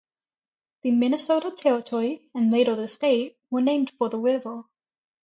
The Minnesota Territory, and later the state, were named for the river.